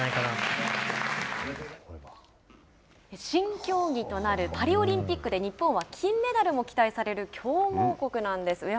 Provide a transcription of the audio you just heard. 新競技となるパリオリンピックで日本は金メダルも期待される強豪国なんです。